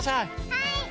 はい！